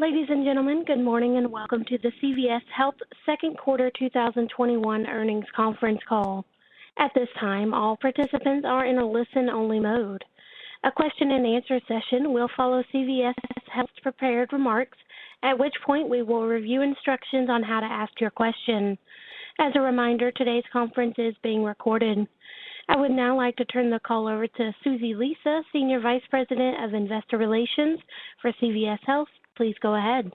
Ladies and gentlemen, good morning, and welcome to the CVS Health second quarter 2021 earnings conference call. At this time, all participants are in a listen-only mode. A question-and-answer session will follow CVS Health's prepared remarks, at which point we will review instructions on how to ask your question. As a reminder, today's conference is being recorded. I would now like to turn the call over to Susie Lisa, Senior Vice President of Investor Relations for CVS Health. Please go ahead.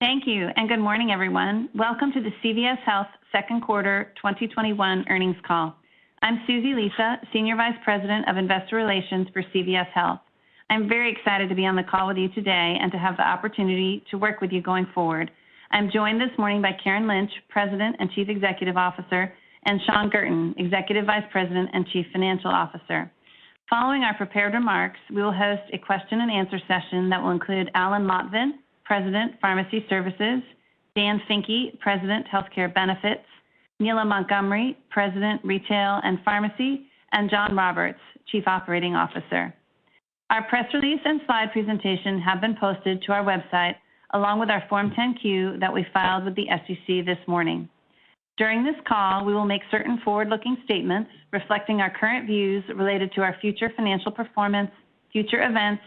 Thank you, and good morning, everyone. Welcome to the CVS Health Q2 2021 earnings call. I'm Susie Lisa, Senior Vice President of Investor Relations for CVS Health. I'm very excited to be on the call with you today and to have the opportunity to work with you going forward. I'm joined this morning by Karen Lynch, President and Chief Executive Officer, and Shawn Guertin, Executive Vice President and Chief Financial Officer. Following our prepared remarks, we will host a question-and-answer session that will include Alan Lotvin, President, Pharmacy Services, Dan Finke, President, Health Care Benefits, Neela Montgomery, President, Retail and Pharmacy, and Jon Roberts, Chief Operating Officer. Our press release and slide presentation have been posted to our website, along with our Form 10-Q that we filed with the SEC this morning. During this call, we will make certain forward-looking statements reflecting our current views related to our future financial performance, future events,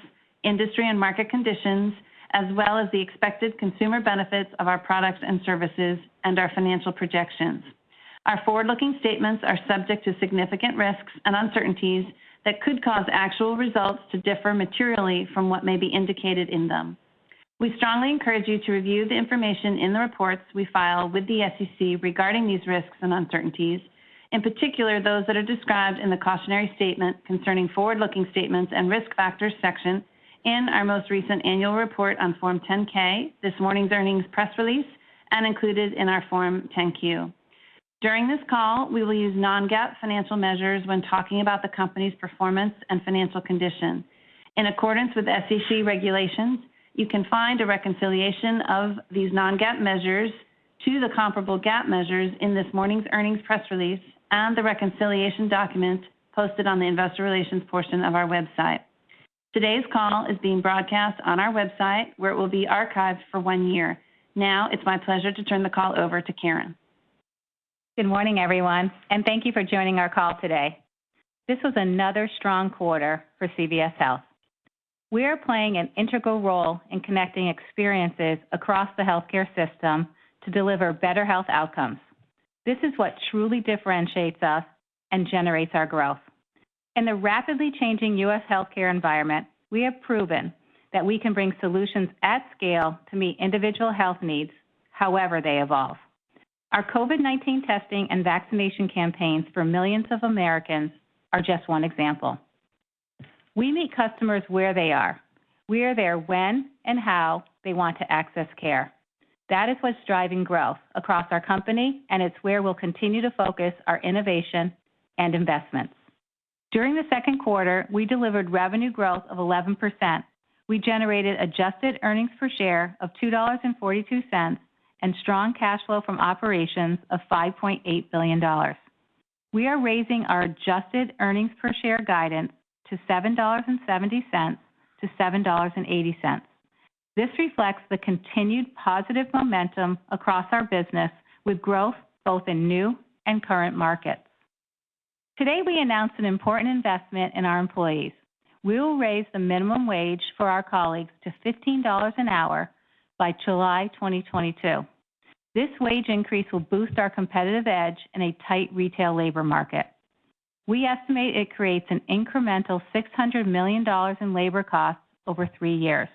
industry and market conditions, as well as the expected consumer benefits of our products and services and our financial projections. Our forward-looking statements are subject to significant risks and uncertainties that could cause actual results to differ materially from what may be indicated in them. We strongly encourage you to review the information in the reports we file with the SEC regarding these risks and uncertainties, in particular, those that are described in the Cautionary Statement Concerning Forward-Looking Statements and Risk Factors section in our most recent annual report on Form 10-K, this morning's earnings press release, and included in our Form 10-Q. During this call, we will use non-GAAP financial measures when talking about the company's performance and financial condition. In accordance with SEC regulations, you can find a reconciliation of these non-GAAP measures to the comparable GAAP measures in this morning's earnings press release and the reconciliation document posted on the investor relations portion of our website. Today's call is being broadcast on our website, where it will be archived for one year. Now, it's my pleasure to turn the call over to Karen. Good morning, everyone, and thank you for joining our call today. This was another strong quarter for CVS Health. We are playing an integral role in connecting experiences across the healthcare system to deliver better health outcomes. This is what truly differentiates us and generates our growth. In the rapidly changing U.S. healthcare environment, we have proven that we can bring solutions at scale to meet individual health needs however they evolve. Our COVID-19 testing and vaccination campaigns for millions of Americans are just one example. We meet customers where they are. We are there when and how they want to access care. That is what's driving growth across our company, and it's where we'll continue to focus our innovation and investments. During the second quarter, we delivered revenue growth of 11%. We generated adjusted earnings per share of $2.42 and strong cash flow from operations of $5.8 billion. We are raising our adjusted earnings per share guidance to $7.70-$7.80. This reflects the continued positive momentum across our business with growth both in new and current markets. Today, we announced an important investment in our employees. We will raise the minimum wage for our colleagues to $15 an hour by July 2022. This wage increase will boost our competitive edge in a tight retail labor market. We estimate it creates an incremental $600 million in labor costs over three years.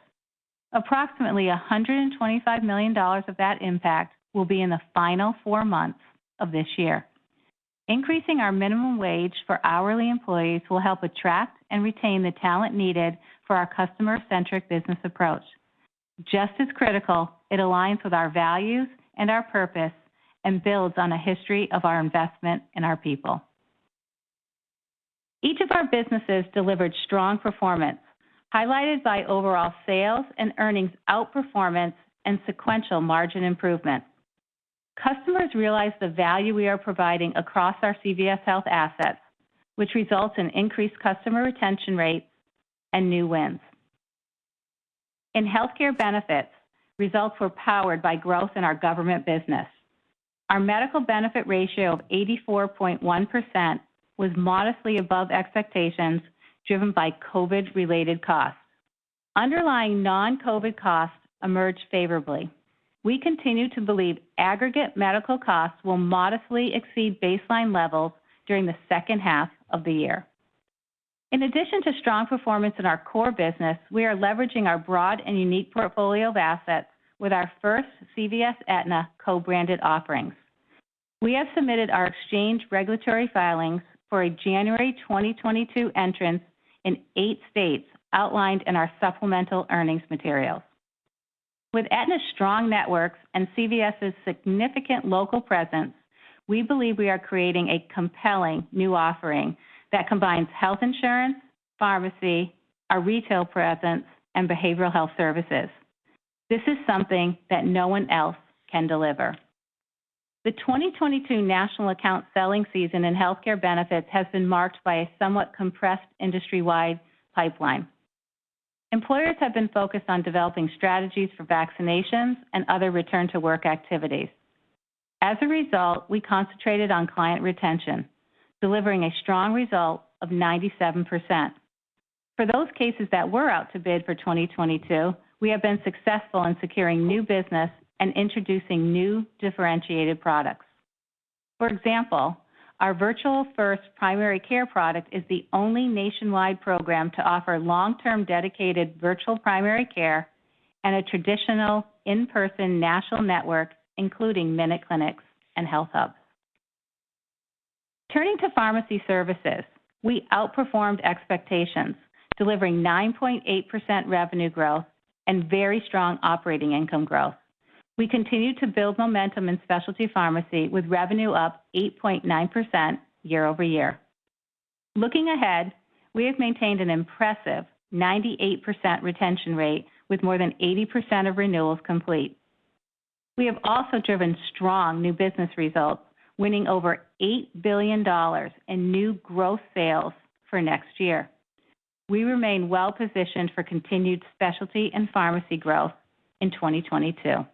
Approximately $125 million of that impact will be in the final four months of this year. Increasing our minimum wage for hourly employees will help attract and retain the talent needed for our customer-centric business approach. Just as critical, it aligns with our values and our purpose and builds on a history of our investment in our people. Each of our businesses delivered strong performance, highlighted by overall sales and earnings outperformance and sequential margin improvement. Customers realize the value we are providing across our CVS Health assets, which results in increased customer retention rates and new wins. In Health Care Benefits, results were powered by growth in our government business. Our medical benefit ratio of 84.1% was modestly above expectations, driven by COVID-related costs. Underlying non-COVID costs emerged favorably. We continue to believe aggregate medical costs will modestly exceed baseline levels during the second half of the year. In addition to strong performance in our core business, we are leveraging our broad and unique portfolio of assets with our first CVS-Aetna co-branded offerings. We have submitted our exchange regulatory filings for a January 2022 entrance in 8 states outlined in our supplemental earnings materials. With Aetna's strong networks and CVS's significant local presence, we believe we are creating a compelling new offering that combines health insurance, pharmacy, our retail presence, and behavioral health services. This is something that no one else can deliver. The 2022 national account selling season in healthcare benefits has been marked by a somewhat compressed industry-wide pipeline. Employers have been focused on developing strategies for vaccinations and other return-to-work activities. As a result, we concentrated on client retention, delivering a strong result of 97%. For those cases that were out to bid for 2022, we have been successful in securing new business and introducing new differentiated products. For example, our Virtual First Primary Care product is the only nationwide program to offer long-term dedicated virtual primary care and a traditional in-person national network, including MinuteClinics and HealthHUB. Turning to Pharmacy Services, we outperformed expectations, delivering 9.8% revenue growth and very strong operating income growth. We continue to build momentum in specialty pharmacy with revenue up 8.9% year-over-year. Looking ahead, we have maintained an impressive 98% retention rate with more than 80% of renewals complete. We have also driven strong new business results, winning over $8 billion in new growth sales for next year. We remain well-positioned for continued specialty and pharmacy growth in 2022.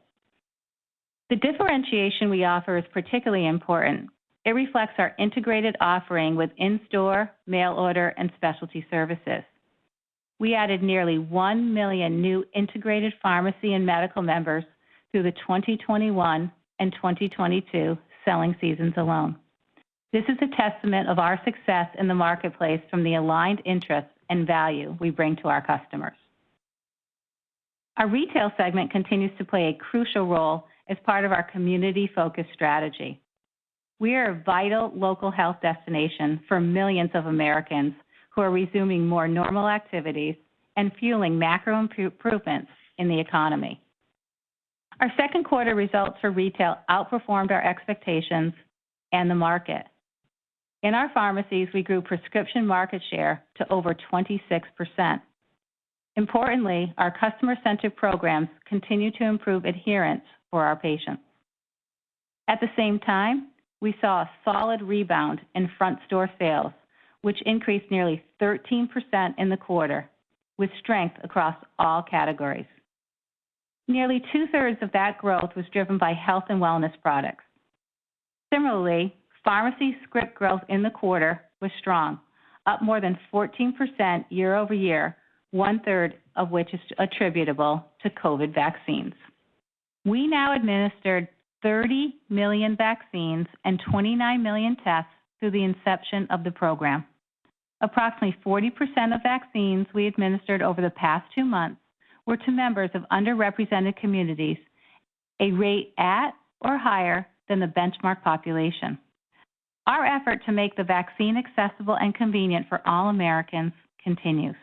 The differentiation we offer is particularly important. It reflects our integrated offering with in-store, mail order, and specialty services. We added nearly 1 million new integrated pharmacy and medical members through the 2021 and 2022 selling seasons alone. This is a testament of our success in the marketplace from the aligned interests and value we bring to our customers. Our retail segment continues to play a crucial role as part of our community-focused strategy. We are a vital local health destination for millions of Americans who are resuming more normal activities and fueling macro improvements in the economy. Our second quarter results for retail outperformed our expectations and the market. In our pharmacies, we grew prescription market share to over 26%. Importantly, our customer-centric programs continue to improve adherence for our patients. At the same time, we saw a solid rebound in front-store sales, which increased nearly 13% in the quarter, with strength across all categories. Nearly two-thirds of that growth was driven by health and wellness products. Similarly, pharmacy script growth in the quarter was strong, up more than 14% year-over-year, one-third of which is attributable to COVID vaccines. We now administered 30 million vaccines and 29 million tests through the inception of the program. Approximately 40% of vaccines we administered over the past two months were to members of underrepresented communities, a rate at or higher than the benchmark population. Our effort to make the vaccine accessible and convenient for all Americans continues.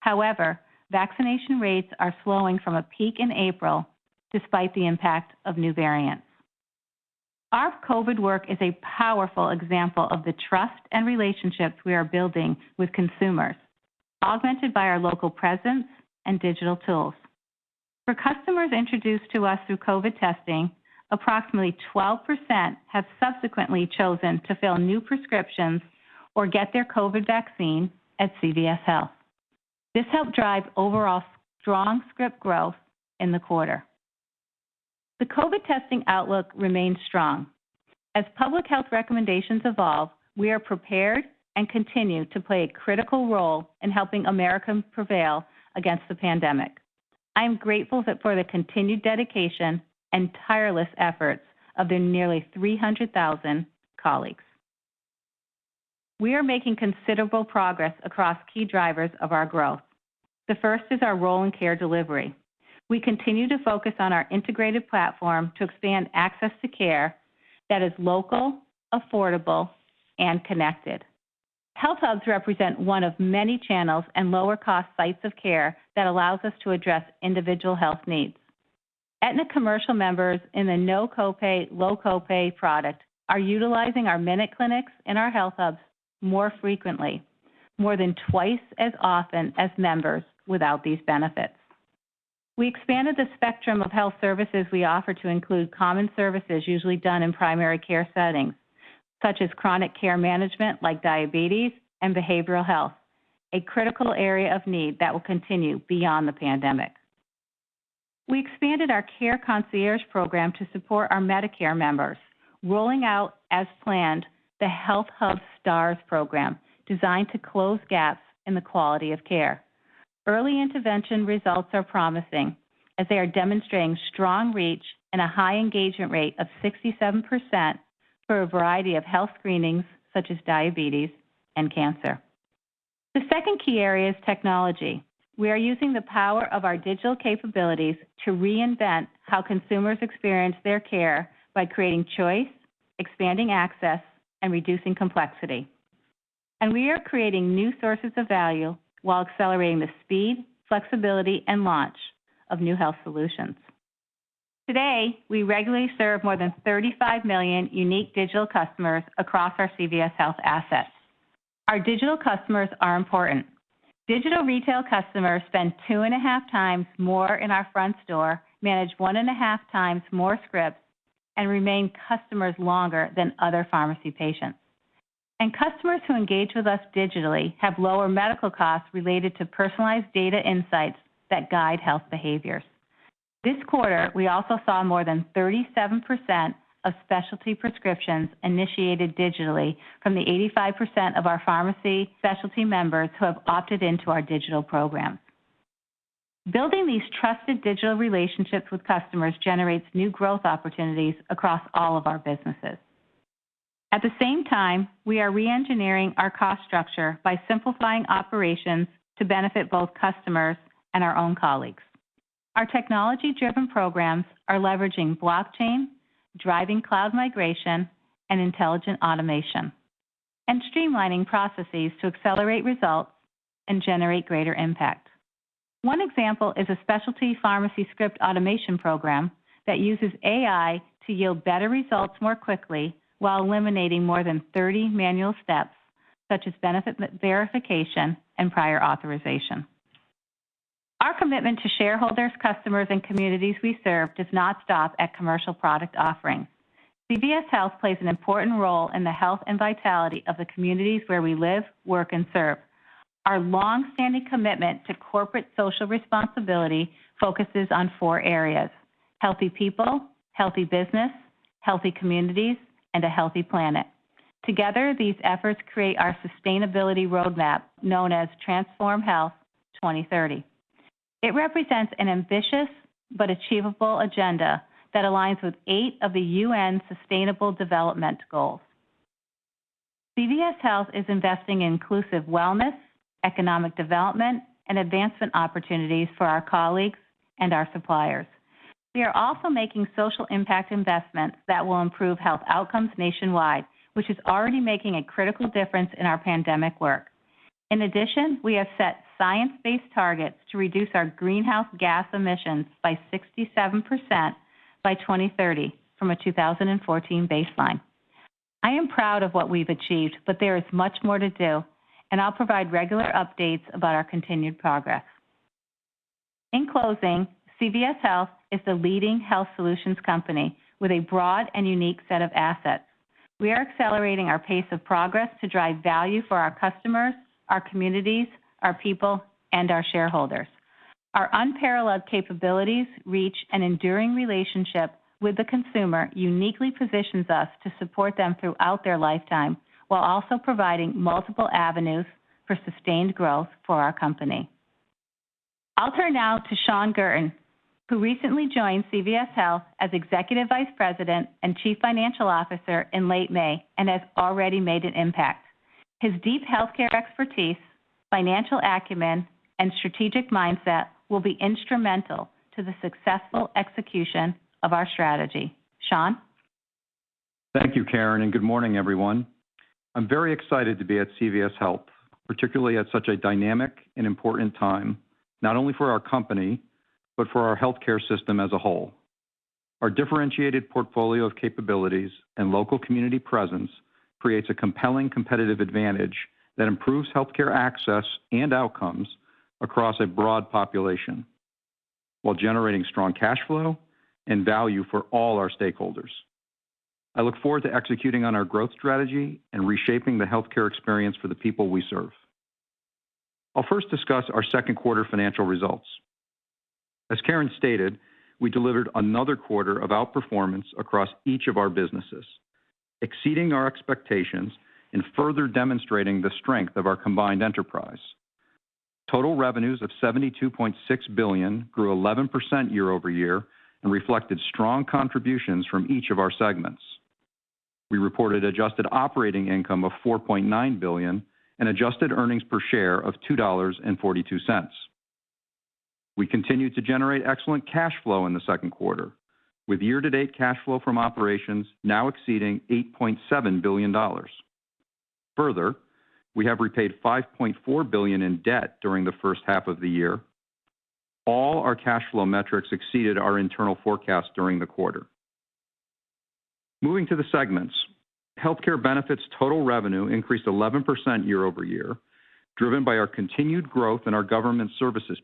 However, vaccination rates are slowing from a peak in April despite the impact of new variants. Our COVID work is a powerful example of the trust and relationships we are building with consumers, augmented by our local presence and digital tools. For customers introduced to us through COVID testing, approximately 12% have subsequently chosen to fill new prescriptions or get their COVID vaccine at CVS Health. This helped drive overall strong script growth in the quarter. The COVID testing outlook remains strong. As public health recommendations evolve, we are prepared and continue to play a critical role in helping Americans prevail against the pandemic. I am grateful for the continued dedication and tireless efforts of the nearly 300,000 colleagues. We are making considerable progress across key drivers of our growth. The first is our role in care delivery. We continue to focus on our integrated platform to expand access to care that is local, affordable, and connected. HealthHUBs represent one of many channels and lower-cost sites of care that allows us to address individual health needs. Aetna commercial members in the no-copay, low-copay product are utilizing our MinuteClinics and our HealthHUBs more frequently, more than twice as often as members without these benefits. We expanded the spectrum of health services we offer to include common services usually done in primary care settings, such as chronic care management like diabetes and behavioral health, a critical area of need that will continue beyond the pandemic. We expanded our Care Concierge program to support our Medicare members, rolling out as planned the HealthHUB Stars program, designed to close gaps in the quality of care. Early intervention results are promising, as they are demonstrating strong reach and a high engagement rate of 67% for a variety of health screenings such as diabetes and cancer. The second key area is technology. We are using the power of our digital capabilities to reinvent how consumers experience their care by creating choice, expanding access, and reducing complexity. We are creating new sources of value while accelerating the speed, flexibility, and launch of new health solutions. Today, we regularly serve more than 35 million unique digital customers across our CVS Health assets. Our digital customers are important. Digital retail customers spend 2.5 times more in our front store, manage 1.5 times more scripts, and remain customers longer than other pharmacy patients. Customers who engage with us digitally have lower medical costs related to personalized data insights that guide health behaviors. This quarter, we also saw more than 37% of specialty prescriptions initiated digitally from the 85% of our pharmacy specialty members who have opted into our digital program. Building these trusted digital relationships with customers generates new growth opportunities across all of our businesses. At the same time, we are re-engineering our cost structure by simplifying operations to benefit both customers and our own colleagues. Our technology-driven programs are leveraging blockchain, driving cloud migration, and intelligent automation, and streamlining processes to accelerate results and generate greater impact. One example is a specialty pharmacy script automation program that uses AI to yield better results more quickly while eliminating more than 30 manual steps, such as benefit verification and prior authorization. Our commitment to shareholders, customers, and communities we serve does not stop at commercial product offerings. CVS Health plays an important role in the health and vitality of the communities where we live, work, and serve. Our longstanding commitment to corporate social responsibility focuses on four areas: healthy people, healthy business, healthy communities, and a healthy planet. Together, these efforts create our sustainability roadmap, known as Transform Health 2030. It represents an ambitious but achievable agenda that aligns with eight of the UN's Sustainable Development Goals. CVS Health is investing in inclusive wellness, economic development, and advancement opportunities for our colleagues and our suppliers. We are also making social impact investments that will improve health outcomes nationwide, which is already making a critical difference in our pandemic work. In addition, we have set science-based targets to reduce our greenhouse gas emissions by 67% by 2030 from a 2014 baseline. I am proud of what we've achieved, but there is much more to do, and I'll provide regular updates about our continued progress. In closing, CVS Health is the leading health solutions company with a broad and unique set of assets. We are accelerating our pace of progress to drive value for our customers, our communities, our people, and our shareholders. Our unparalleled capabilities reach an enduring relationship with the consumer, uniquely positions us to support them throughout their lifetime while also providing multiple avenues for sustained growth for our company. I'll turn now to Shawn Guertin, who recently joined CVS Health as Executive Vice President and Chief Financial Officer in late May and has already made an impact. His deep healthcare expertise, financial acumen, and strategic mindset will be instrumental to the successful execution of our strategy. Shawn? Thank you, Karen, and good morning, everyone. I'm very excited to be at CVS Health, particularly at such a dynamic and important time, not only for our company, but for our healthcare system as a whole. Our differentiated portfolio of capabilities and local community presence creates a compelling competitive advantage that improves healthcare access and outcomes across a broad population while generating strong cash flow and value for all our stakeholders. I look forward to executing on our growth strategy and reshaping the healthcare experience for the people we serve. I'll first discuss our second quarter financial results. As Karen stated, we delivered another quarter of outperformance across each of our businesses, exceeding our expectations and further demonstrating the strength of our combined enterprise. Total revenues of $72.6 billion grew 11% year-over-year and reflected strong contributions from each of our segments. We reported adjusted operating income of $4.9 billion and adjusted earnings per share of $2.42. We continued to generate excellent cash flow in the second quarter, with year-to-date cash flow from operations now exceeding $8.7 billion. Further, we have repaid $5.4 billion in debt during the first half of the year. All our cash flow metrics exceeded our internal forecast during the quarter. Moving to the segments, Health Care Benefits total revenue increased 11% year-over-year, driven by our continued growth in our government services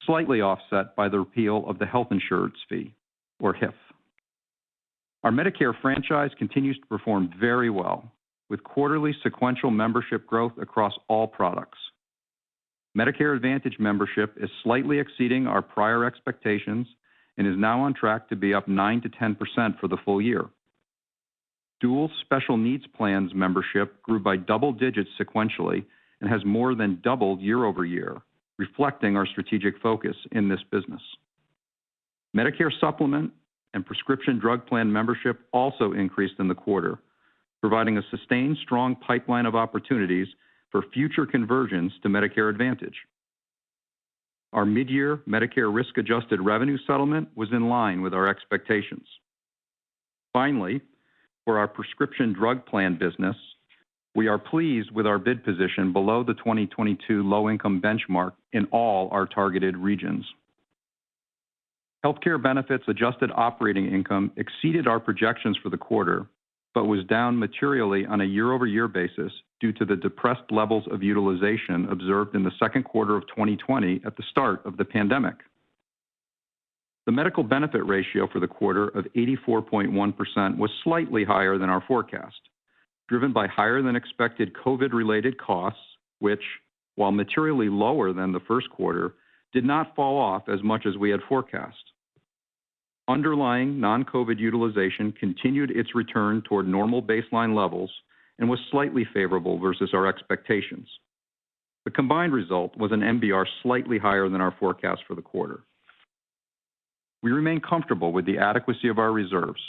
business, slightly offset by the repeal of the Health Insurance Fee or HIF. Our Medicare franchise continues to perform very well, with quarterly sequential membership growth across all products. Medicare Advantage membership is slightly exceeding our prior expectations and is now on track to be up 9%-10% for the full year. Dual Special Needs Plans membership grew by double digits sequentially and has more than doubled year-over-year, reflecting our strategic focus in this business. Medicare Supplement and Prescription Drug Plan membership also increased in the quarter, providing a sustained strong pipeline of opportunities for future conversions to Medicare Advantage. Our mid-year Medicare risk-adjusted revenue settlement was in line with our expectations. Finally, for our Prescription Drug Plan business, we are pleased with our bid position below the 2022 low-income benchmark in all our targeted regions. Health Care Benefits adjusted operating income exceeded our projections for the quarter, but was down materially on a year-over-year basis due to the depressed levels of utilization observed in the second quarter of 2020 at the start of the pandemic. The medical benefit ratio for the quarter of 84.1% was slightly higher than our forecast, driven by higher-than-expected COVID related costs, which, while materially lower than the first quarter, did not fall off as much as we had forecast. Underlying non-COVID utilization continued its return toward normal baseline levels and was slightly favorable versus our expectations. The combined result was an MBR slightly higher than our forecast for the quarter. We remain comfortable with the adequacy of our reserves,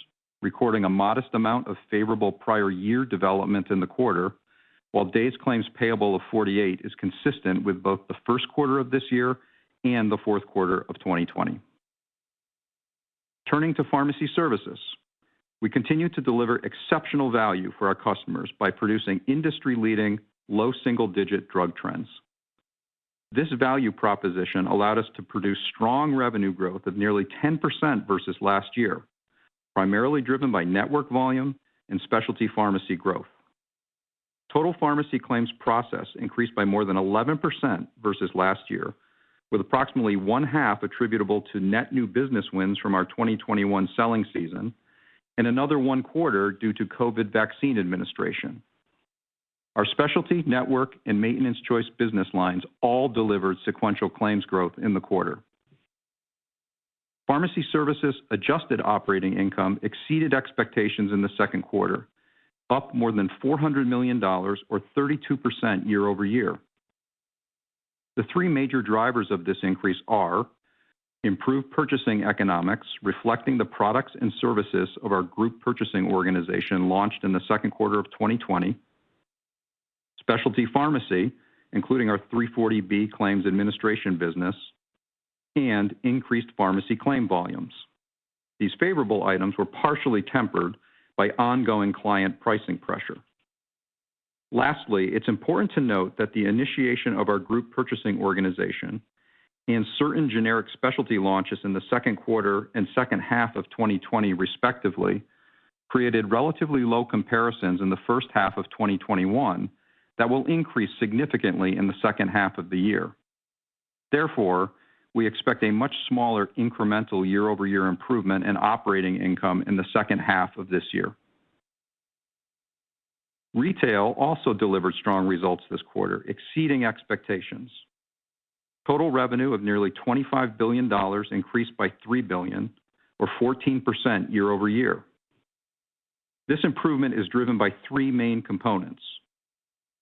recording a modest amount of favorable prior year development in the quarter, while days claims payable of 48 is consistent with both the first quarter of this year and the fourth quarter of 2020. Turning to Pharmacy Services, we continue to deliver exceptional value for our customers by producing industry-leading low single-digit drug trends. This value proposition allowed us to produce strong revenue growth of nearly 10% versus last year, primarily driven by network volume and specialty pharmacy growth. Total pharmacy claims process increased by more than 11% versus last year, with approximately one half attributable to net new business wins from our 2021 selling season and another one quarter due to COVID vaccine administration. Our specialty network and Maintenance Choice business lines all delivered sequential claims growth in the quarter. Pharmacy services adjusted operating income exceeded expectations in the second quarter, up more than $400 million, or 32% year-over-year. The three major drivers of this increase are improved purchasing economics, reflecting the products and services of our group purchasing organization launched in the second quarter of 2020, specialty pharmacy, including our 340B claims administration business, and increased pharmacy claim volumes. These favorable items were partially tempered by ongoing client pricing pressure. Lastly, it's important to note that the initiation of our group purchasing organization and certain generic specialty launches in the second quarter and second half of 2020 respectively, created relatively low comparisons in the first half of 2021 that will increase significantly in the second half of the year. Therefore, we expect a much smaller incremental year-over-year improvement in operating income in the second half of this year. Retail also delivered strong results this quarter, exceeding expectations. Total revenue of nearly $25 billion increased by $3 billion, or 14% year-over-year. This improvement is driven by three main components.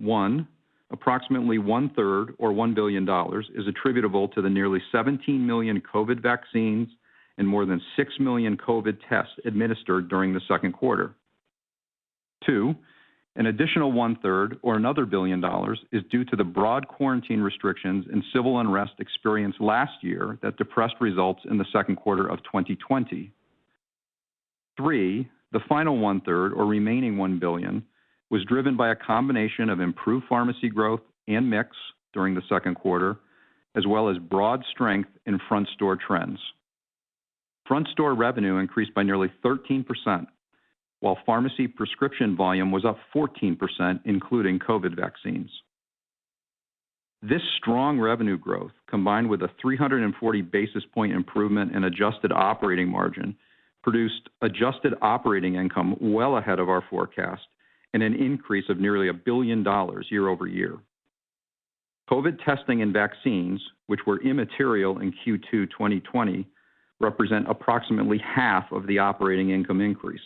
One, approximately 1/3 or $1 billion, is attributable to the nearly 17 million COVID vaccines and more than 6 million COVID tests administered during the second quarter. Two, an additional 1/3 or another $1 billion is due to the broad quarantine restrictions and civil unrest experienced last year that depressed results in the second quarter of 2020. Three, the final 1/3 or remaining $1 billion, was driven by a combination of improved pharmacy growth and mix during the second quarter, as well as broad strength in front store trends. Front store revenue increased by nearly 13%, while pharmacy prescription volume was up 14%, including COVID vaccines. This strong revenue growth, combined with a 340-basis point improvement in adjusted operating margin, produced adjusted operating income well ahead of our forecast and an increase of nearly $1 billion year-over-year. COVID testing and vaccines, which were immaterial in Q2 2020, represent approximately half of the operating income increase.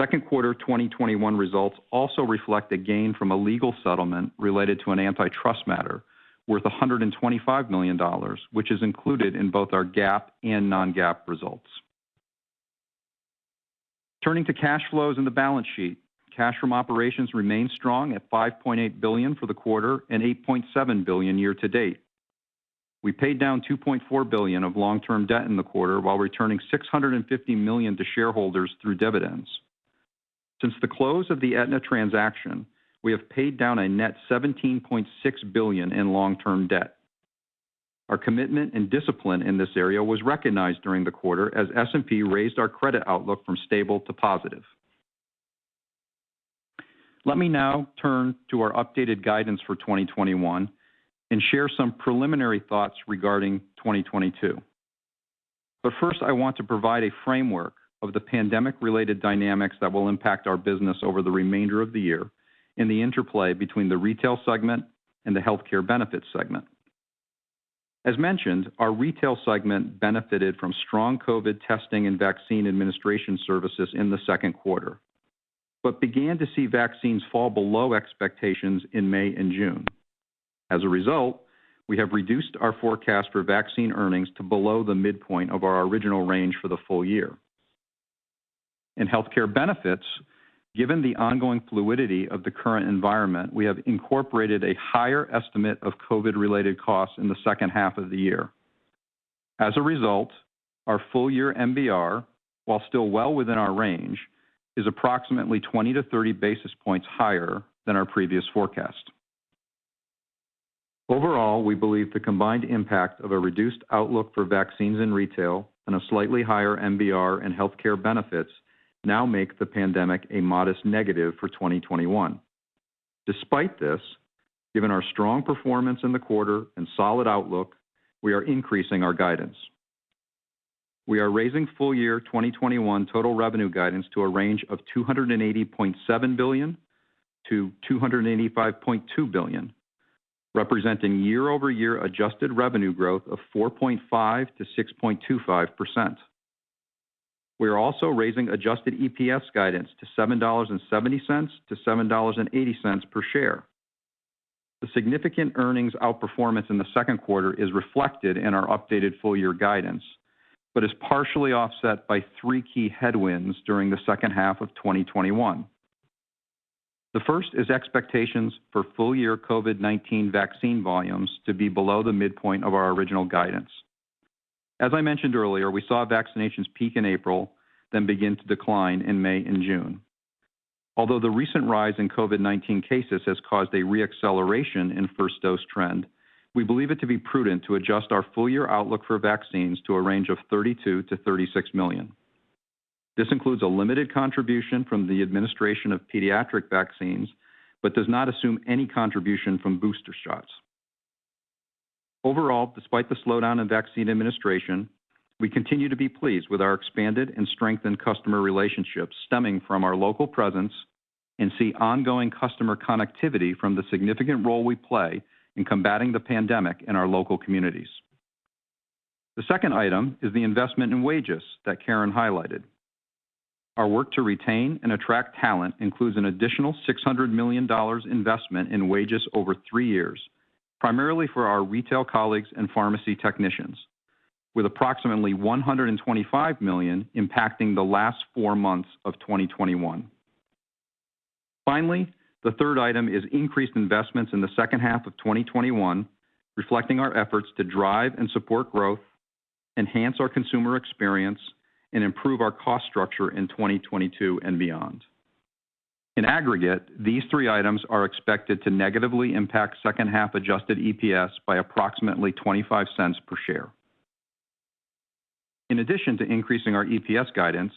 Second quarter 2021 results also reflect a gain from a legal settlement related to an antitrust matter worth $125 million, which is included in both our GAAP and non-GAAP results. Turning to cash flows and the balance sheet, cash from operations remained strong at $5.8 billion for the quarter and $8.7 billion year-to-date. We paid down $2.4 billion of long-term debt in the quarter while returning $650 million to shareholders through dividends. Since the close of the Aetna transaction, we have paid down a net $17.6 billion in long-term debt. Our commitment and discipline in this area was recognized during the quarter as S&P raised our credit outlook from stable to positive. Let me now turn to our updated guidance for 2021 and share some preliminary thoughts regarding 2022. First, I want to provide a framework of the pandemic related dynamics that will impact our business over the remainder of the year and the interplay between the Retail segment and the Health Care Benefits segment. As mentioned, our Retail segment benefited from strong COVID testing and vaccine administration services in the second quarter, began to see vaccines fall below expectations in May and June. As a result, we have reduced our forecast for vaccine earnings to below the midpoint of our original range for the full year. In Health Care Benefits, given the ongoing fluidity of the current environment, we have incorporated a higher estimate of COVID related costs in the second half of the year. As a result, our full year MBR, while still well within our range, is approximately 20 basis points-30 basis points higher than our previous forecast. We believe the combined impact of a reduced outlook for vaccines in retail and a slightly higher MBR in health care benefits now make the pandemic a modest negative for 2021. Despite this, given our strong performance in the quarter and solid outlook, we are increasing our guidance. We are raising full year 2021 total revenue guidance to a range of $280.7 billion-$285.2 billion, representing year-over-year adjusted revenue growth of 4.5%-6.25%. We are also raising adjusted EPS guidance to $7.70-$7.80 per share. The significant earnings outperformance in the second quarter is reflected in our updated full year guidance but is partially offset by three key headwinds during the second half of 2021. The first is expectations for full year COVID-19 vaccine volumes to be below the midpoint of our original guidance. As I mentioned earlier, we saw vaccinations peak in April, then begin to decline in May and June. Although the recent rise in COVID-19 cases has caused a re-acceleration in 1st dose trend, we believe it to be prudent to adjust our full year outlook for vaccines to a range of 32 million-36 million. This includes a limited contribution from the administration of pediatric vaccines but does not assume any contribution from booster shots. Overall, despite the slowdown in vaccine administration, we continue to be pleased with our expanded and strengthened customer relationships stemming from our local presence and see ongoing customer connectivity from the significant role we play in combating the pandemic in our local communities. The second item is the investment in wages that Karen highlighted. Our work to retain and attract talent includes an additional $600 million investment in wages over three years, primarily for our retail colleagues and pharmacy technicians, with approximately $125 million impacting the last four months of 2021. Finally, the third item is increased investments in the second half of 2021, reflecting our efforts to drive and support growth, enhance our consumer experience, and improve our cost structure in 2022 and beyond. In aggregate, these three items are expected to negatively impact second half adjusted EPS by approximately $0.25 per share. In addition to increasing our EPS guidance,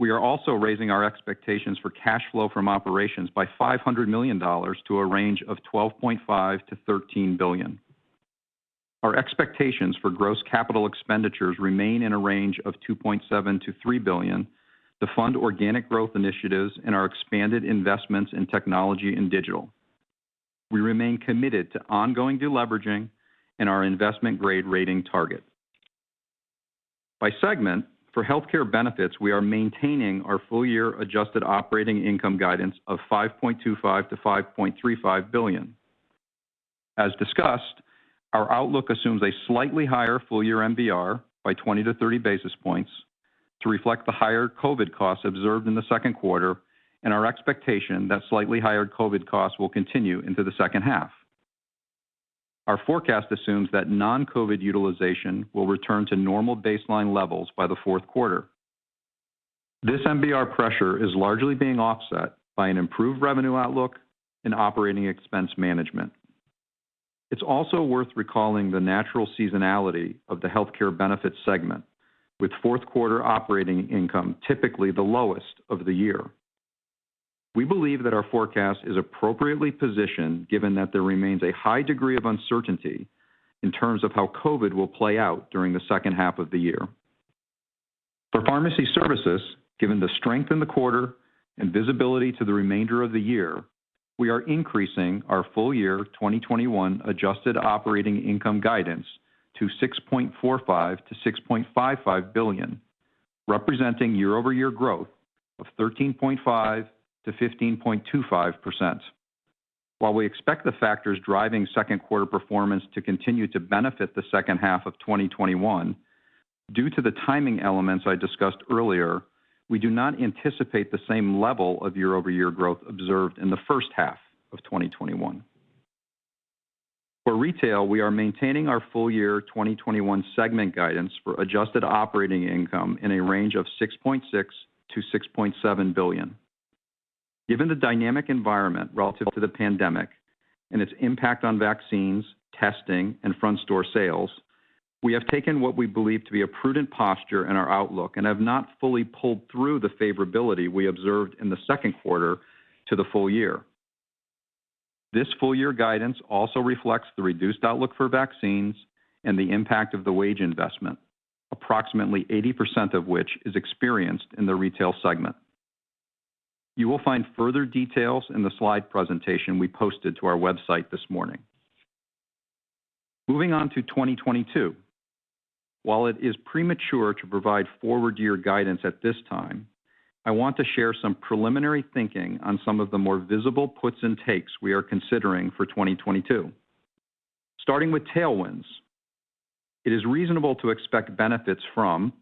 we are also raising our expectations for cash flow from operations by $500 million to a range of $12.5 billion-$13 billion. Our expectations for gross capital expenditures remain in a range of $2.7 billion-$3 billion to fund organic growth initiatives and our expanded investments in technology and digital. We remain committed to ongoing deleveraging and our investment-grade rating target. By segment, for Health Care Benefits, we are maintaining our full year adjusted operating income guidance of $5.25 billion-$5.35 billion. As discussed, our outlook assumes a slightly higher full year MBR by 20 basis points-30 basis points to reflect the higher COVID costs observed in the second quarter and our expectation that slightly higher COVID costs will continue into the second half. Our forecast assumes that non-COVID utilization will return to normal baseline levels by the fourth quarter. This MBR pressure is largely being offset by an improved revenue outlook and operating expense management. It's also worth recalling the natural seasonality of the Health Care Benefits segment, with fourth quarter operating income typically the lowest of the year. We believe that our forecast is appropriately positioned given that there remains a high degree of uncertainty in terms of how COVID will play out during the second half of the year. For pharmacy services, given the strength in the quarter and visibility to the remainder of the year, we are increasing our full year 2021 adjusted operating income guidance to $6.45 billion-$6.55 billion, representing year-over-year growth of 13.5%-15.25%. While we expect the factors driving second quarter performance to continue to benefit the second half of 2021, due to the timing elements I discussed earlier, we do not anticipate the same level of year-over-year growth observed in the first half of 2021. For retail, we are maintaining our full year 2021 segment guidance for adjusted operating income in a range of $6.6 billion-$6.7 billion. Given the dynamic environment relative to the pandemic and its impact on vaccines, testing, and front store sales, we have taken what we believe to be a prudent posture in our outlook and have not fully pulled through the favorability we observed in the second quarter to the full year. This full year guidance also reflects the reduced outlook for vaccines and the impact of the wage investment, approximately 80% of which is experienced in the retail segment. You will find further details in the slide presentation we posted to our website this morning. Moving on to 2022. While it is premature to provide forward year guidance at this time, I want to share some preliminary thinking on some of the more visible puts and takes we are considering for 2022. Starting with tailwinds. It is reasonable to expect benefits from,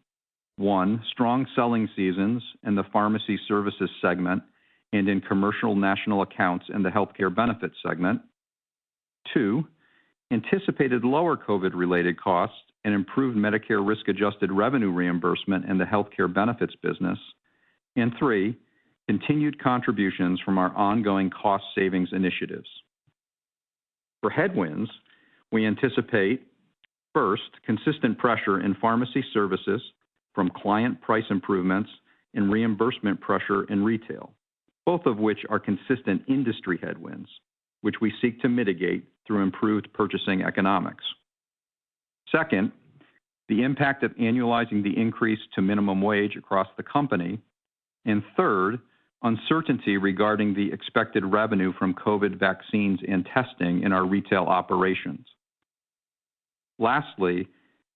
one, strong selling seasons in the Pharmacy Services Segment and in commercial national accounts in the Health Care Benefits Segment. Two, anticipated lower COVID-related costs and improved Medicare risk-adjusted revenue reimbursement in the Health Care Benefits business. Three, continued contributions from our ongoing cost savings initiatives. For headwinds, we anticipate, first, consistent pressure in Pharmacy Services from client price improvements and reimbursement pressure in retail, both of which are consistent industry headwinds, which we seek to mitigate through improved purchasing economics. Second, the impact of annualizing the increase to minimum wage across the company. Third, uncertainty regarding the expected revenue from COVID vaccines and testing in our retail operations. Lastly,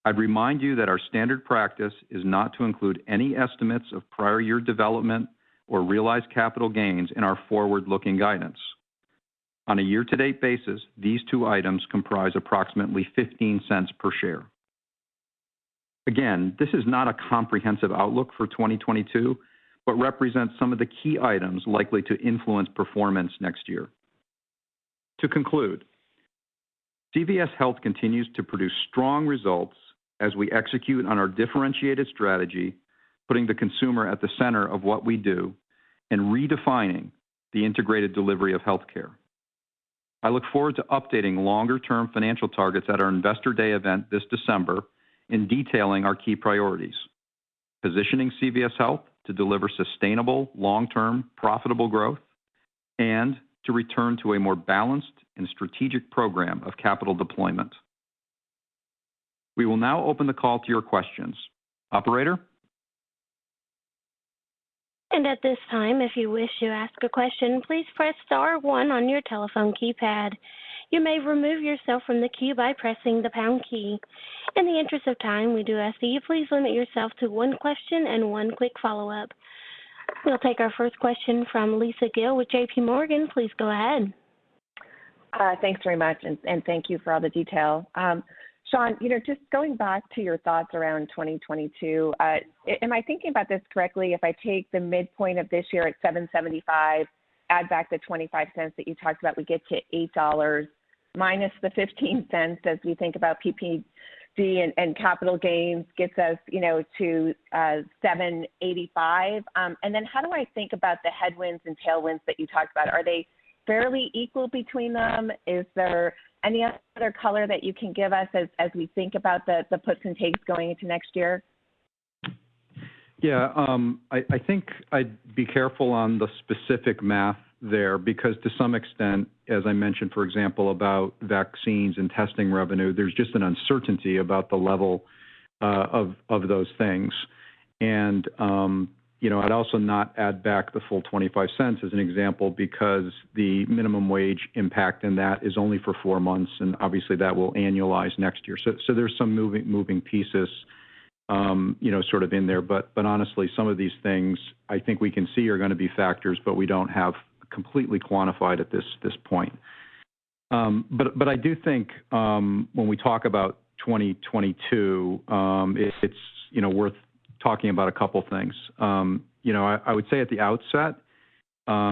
I'd remind you that our standard practice is not to include any estimates of prior year development or realized capital gains in our forward-looking guidance. On a year-to-date basis, these two items comprise approximately $0.15 per share. This is not a comprehensive outlook for 2022 but represents some of the key items likely to influence performance next year. To conclude, CVS Health continues to produce strong results as we execute on our differentiated strategy, putting the consumer at the center of what we do and redefining the integrated delivery of healthcare. I look forward to updating longer-term financial targets at our Investor Day event this December in detailing our key priorities: positioning CVS Health to deliver sustainable, long-term, profitable growth, and to return to a more balanced and strategic program of capital deployment. We will now open the call to your questions. Operator? At this time, if you wish to ask a question, please press star one on your telephone keypad. You may remove yourself from the queue by pressing the pound key. In the interest of time, we do ask that you please limit yourself to one question and one quick follow-up. We'll take our first question from Lisa Gill with JPMorgan. Please go ahead. Thanks very much. Thank you for all the detail. Shawn, just going back to your thoughts around 2022, am I thinking about this correctly if I take the midpoint of this year at $7.75, add back the $0.25 that you talked about, we get to $8, -$0.15 as we think about PPD and capital gains gets us to $7.85? How do I think about the headwinds and tailwinds that you talked about? Are they fairly equal between them? Is there any other color that you can give us as we think about the puts and takes going into next year? Yeah. I think I'd be careful on the specific math there because to some extent, as I mentioned, for example, about vaccines and testing revenue, there's just an uncertainty about the level of those things. I'd also not add back the full $0.25 as an example because the minimum wage impact in that is only for four months, and obviously, that will annualize next year. There's some moving pieces sort of in there. Honestly, some of these things I think we can see are going to be factors, but we don't have completely quantified at this point. I do think, when we talk about 2022, it's worth talking about a couple things. I would say at the outset,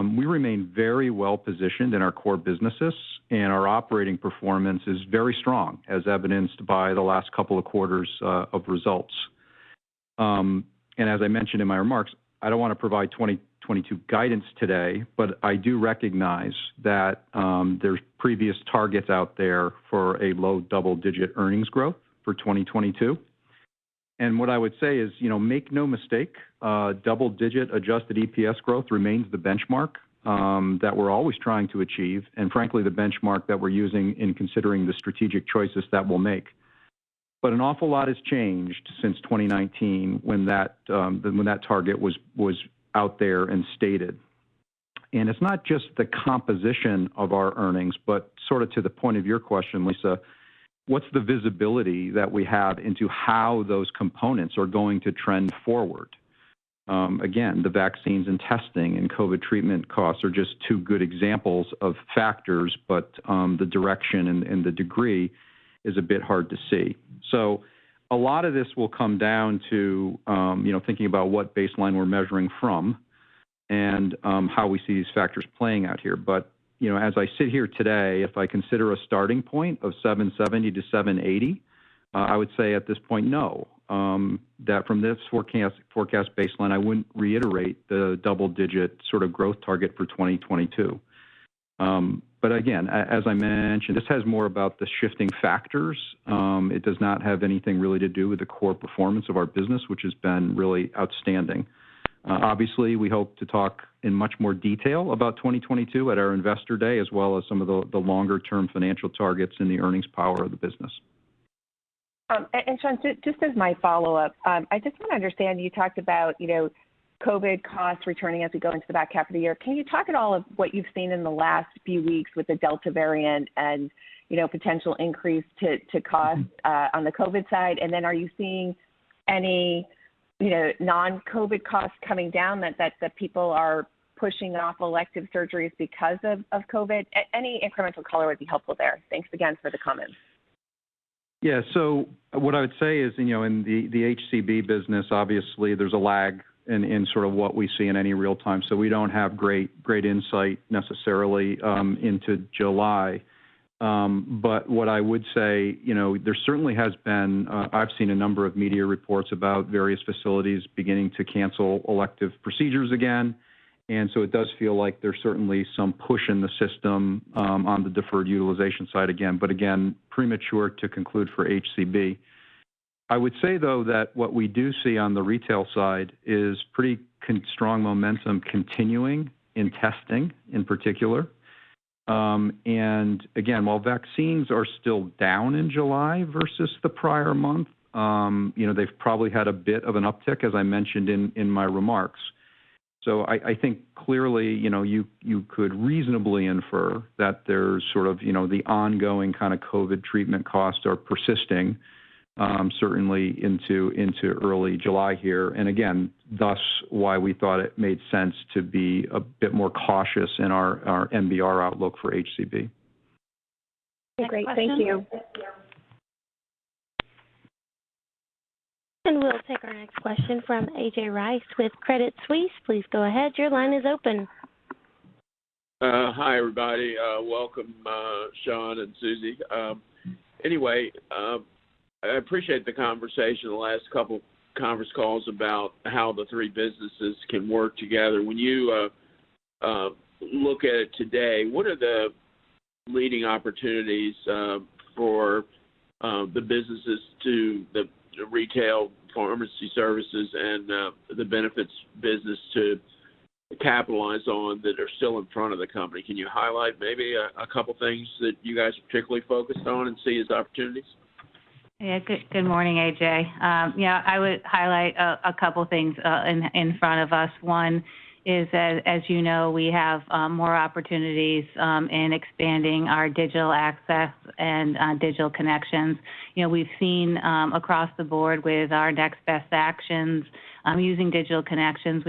we remain very well-positioned in our core businesses, and our operating performance is very strong, as evidenced by the last couple of quarters of results. As I mentioned in my remarks, I don't want to provide 2022 guidance today, but I do recognize that there's previous targets out there for a low double-digit earnings growth for 2022. What I would say is make no mistake, double-digit adjusted EPS growth remains the benchmark that we're always trying to achieve, and frankly, the benchmark that we're using in considering the strategic choices that we'll make. An awful lot has changed since 2019 when that target was out there and stated. It's not just the composition of our earnings, but sort of to the point of your question, Lisa, what's the visibility that we have into how those components are going to trend forward? Again, the vaccines and testing and COVID treatment costs are just two good examples of factors, but the direction and the degree is a bit hard to see. A lot of this will come down to thinking about what baseline we're measuring from and how we see these factors playing out here. As I sit here today, if I consider a starting point of 770-780, I would say at this point, no, that from this forecast baseline, I wouldn't reiterate the double-digit sort of growth target for 2022. Again, as I mentioned, this has more about the shifting factors. It does not have anything really to do with the core performance of our business, which has been really outstanding. Obviously, we hope to talk in much more detail about 2022 at our Investor Day, as well as some of the longer-term financial targets and the earnings power of the business. Shawn, just as my follow-up, I just want to understand, you talked about COVID costs returning as we go into the back half of the year. Can you talk at all of what you've seen in the last few weeks with the Delta variant and potential increase to cost on the COVID side? Are you seeing any non-COVID costs coming down that people are pushing off elective surgeries because of COVID? Any incremental color would be helpful there. Thanks again for the comments. Yeah. What I would say is in the HCB business, obviously, there's a lag in sort of what we see in any real time. We don't have great insight necessarily into July. What I would say, there certainly has been I've seen a number of media reports about various facilities beginning to cancel elective procedures again, and so it does feel like there's certainly some push in the system on the deferred utilization side again. Again, premature to conclude for HCB. I would say, though, that what we do see on the retail side is pretty strong momentum continuing in testing in particular. Again, while vaccines are still down in July versus the prior month, they've probably had a bit of an uptick, as I mentioned in my remarks. I think clearly, you could reasonably infer that there's sort of the ongoing COVID treatment costs are persisting, certainly into early July here, and again, thus why we thought it made sense to be a bit more cautious in our MBR outlook for HCB. Great. Thank you. Next question. We'll take our next question from A.J. Rice with Credit Suisse. Please go ahead. Your line is open. Hi, everybody. Welcome, Shawn and Susie. Anyway, I appreciate the conversation the last couple conference calls about how the three businesses can work together. When you look at it today, what are the leading opportunities for the businesses to the retail pharmacy services, and the benefits business to capitalize on that are still in front of the company? Can you highlight maybe a couple things that you guys are particularly focused on and see as opportunities? Good morning, A.J. I would highlight a couple of things in front of us. One is that, as you know, we have more opportunities in expanding our digital access and digital connections. We've seen across the board with our next best actions using digital connections,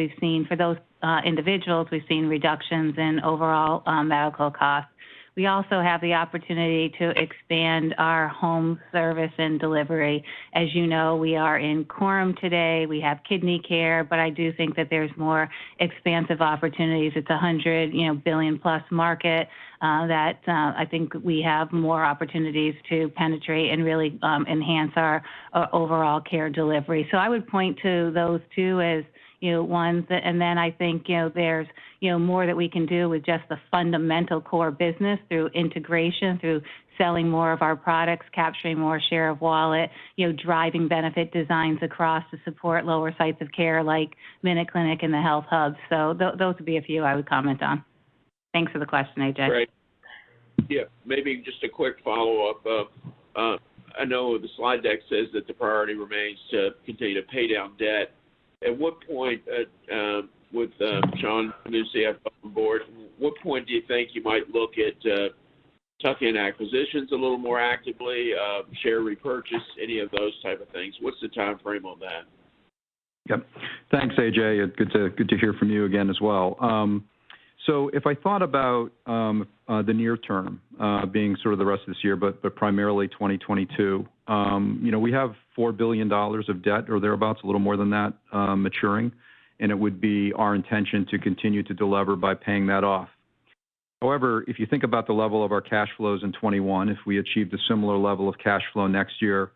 for those individuals, we've seen reductions in overall medical costs. We also have the opportunity to expand our home service and delivery. As you know, we are in Coram today. We have Kidney Care, but I do think that there's more expansive opportunities. It's $100 billion+ market that I think we have more opportunities to penetrate and really enhance our overall care delivery. I would point to those two as ones. I think there's more that we can do with just the fundamental core business through integration, through selling more of our products, capturing more share of wallet, driving benefit designs across to support lower sites of care like MinuteClinic and the HealthHUBs. Those would be a few I would comment on. Thanks for the question, A.J. Great. Yeah. Maybe just a quick follow-up. I know the slide deck says that the priority remains to continue to pay down debt. With Shawn on board, what point do you think you might look at tuck-in acquisitions a little more actively, share repurchase, any of those types of things? What's the timeframe on that? Yep. Thanks, AJ. Good to hear from you again as well. If I thought about the near term, being sort of the rest of this year, but primarily 2022. We have $4 billion of debt, or thereabouts, a little more than that, maturing, and it would be our intention to continue to delever by paying that off. However, if you think about the level of our cash flows in 2021, if we achieved a similar level of cash flow next year,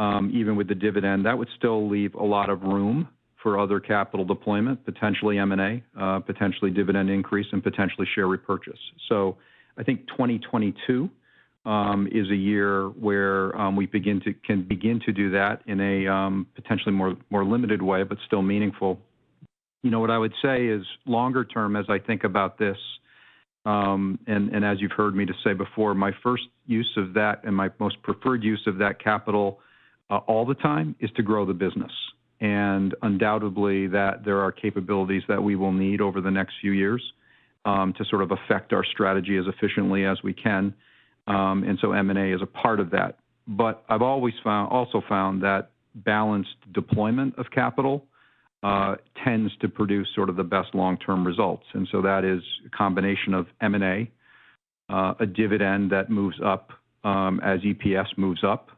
even with the dividend, that would still leave a lot of room for other capital deployment, potentially M&A, potentially dividend increase, and potentially share repurchase. I think 2022 is a year where we can begin to do that in a potentially more limited way, but still meaningful. What I would say is longer term, as I think about this, and as you've heard me just say before, my first use of that and my most preferred use of that capital all the time is to grow the business. Undoubtedly that there are capabilities that we will need over the next few years to sort of affect our strategy as efficiently as we can, and so M&A is a part of that. I've also found that balanced deployment of capital tends to produce sort of the best long-term results. That is a combination of M&A, a dividend that moves up as EPS moves up,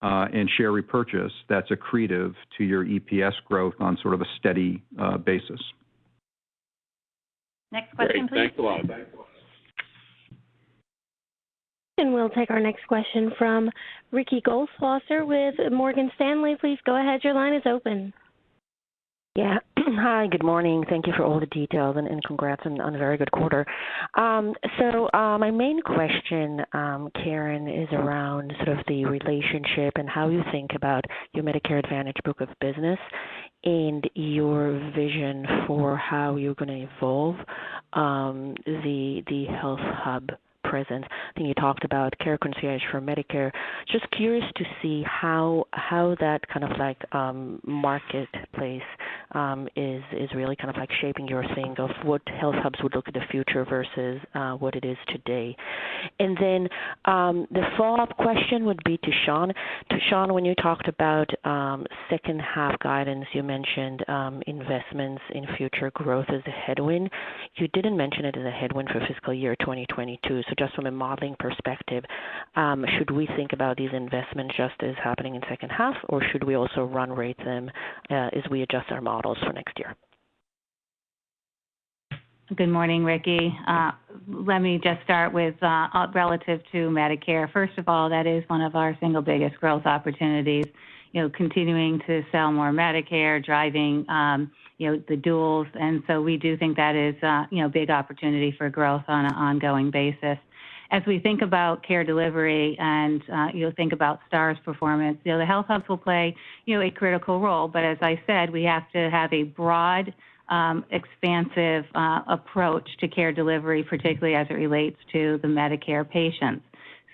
and share repurchase that's accretive to your EPS growth on sort of a steady basis. Next question, please. Great. Thanks a lot. We'll take our next question from Ricky Goldwasser with Morgan Stanley. Please go ahead, your line is open. Yeah. Hi, good morning. Thank you for all the details, and congrats on a very good quarter. My main question, Karen, is around sort of the relationship and how you think about your Medicare Advantage book of business, and your vision for how you're going to evolve the HealthHUB presence. I think you talked about Care Concierge for Medicare. Just curious to see how that kind of marketplace is really kind of shaping your think of what HealthHUBs would look in the future versus what it is today. Then, the follow-up question would be to Shawn. To Shawn, when you talked about second half guidance, you mentioned investments in future growth as a headwind. You didn't mention it as a headwind for fiscal year 2022. Just from a modeling perspective, should we think about these investments just as happening in second half, or should we also run rate them as we adjust our models for next year? Good morning, Ricky. Let me just start with relative to Medicare. First of all, that is one of our single biggest growth opportunities, continuing to sell more Medicare, driving the duals. So we do think that is a big opportunity for growth on an ongoing basis. As we think about care delivery and you'll think about Stars performance, the HealthHUBs will play a critical role. As I said, we have to have a broad expansive approach to care delivery, particularly as it relates to the Medicare patients.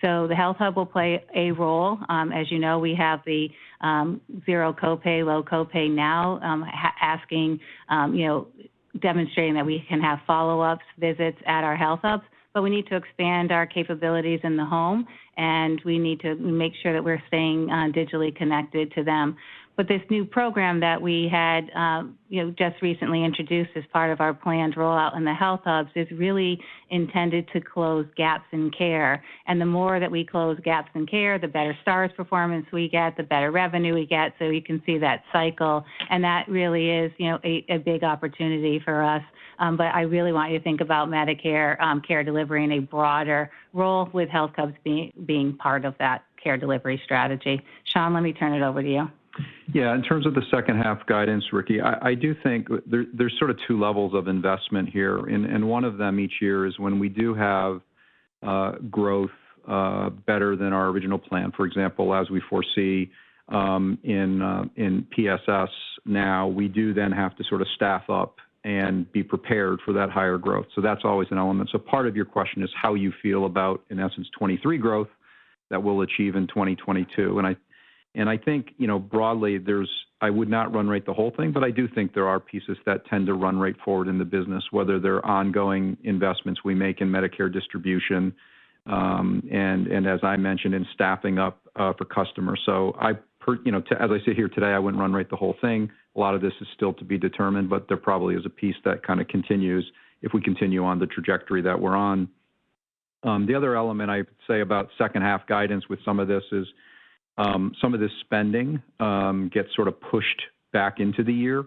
The HealthHUB will play a role. As you know, we have the zero copay, low copay now, demonstrating that we can have follow-ups, visits at our HealthHUBs, but we need to expand our capabilities in the home, and we need to make sure that we're staying digitally connected to them. This new program that we had just recently introduced as part of our planned rollout in the HealthHUBs is really intended to close gaps in care. The more that we close gaps in care, the better stars performance we get, the better revenue we get. You can see that cycle, and that really is a big opportunity for us. I really want you to think about Medicare care delivery in a broader role with HealthHUBs being part of that care delivery strategy. Shawn, let me turn it over to you. Yeah. In terms of the second half guidance, Ricky, I do think there's sort of two levels of investment here, and one of them each year is when we do have growth, better than our original plan, for example, as we foresee, in PSS now, we do then have to sort of staff up and be prepared for that higher growth. That's always an element. Part of your question is how you feel about, in essence, 23 growth that we'll achieve in 2022. I think, broadly, I would not run rate the whole thing, but I do think there are pieces that tend to run rate forward in the business, whether they're ongoing investments we make in Medicare distribution, and as I mentioned, in staffing up for customers. As I sit here today, I wouldn't run rate the whole thing. A lot of this is still to be determined. There probably is a piece that kind of continues if we continue on the trajectory that we're on. The other element I'd say about second half guidance with some of this is, some of this spending gets sort of pushed back into the year,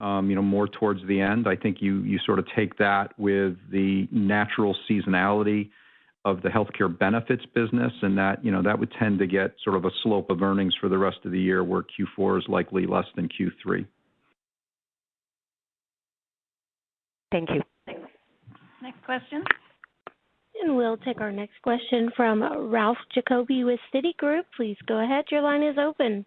more towards the end. I think you sort of take that with the natural seasonality of the healthcare benefits business. That would tend to get sort of a slope of earnings for the rest of the year, where Q4 is likely less than Q3. Thank you. Next question. We'll take our next question from Ralph Giacobbe with Citigroup. Please go ahead, your line is open.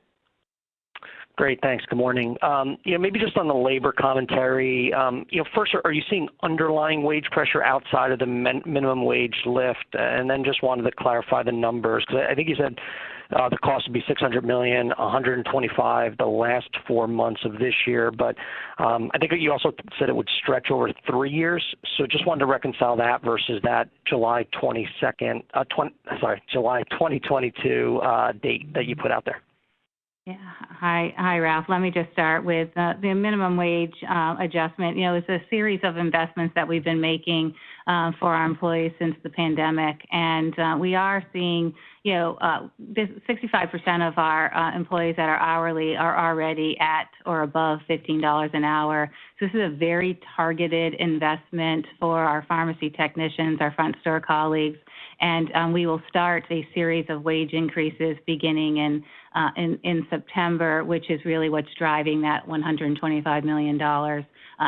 Great. Thanks. Good morning. Yeah, maybe just on the labor commentary. First, are you seeing underlying wage pressure outside of the minimum wage lift? Then just wanted to clarify the numbers, because I think you said the cost would be $600 million, $125 the last four months of this year. I think you also said it would stretch over three years. Just wanted to reconcile that versus that July 2022 date that you put out there. Hi, Ralph. Let me just start with the minimum wage adjustment. You know, it's a series of investments that weve been making for our employees since the pandemic. We are seeing 65% of our employees that are hourly are already at or above $15 an hour. This is a very targeted investment for our pharmacy technicians, our front store colleagues, and we will start a series of wage increases beginning in September, which is really what's driving that $125 million